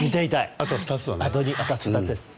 あと２つですね。